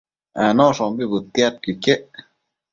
Anoshombi bëtiadquio iquec